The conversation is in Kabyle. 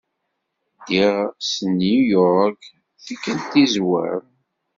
Ddiɣ s New York tikklt izwarn.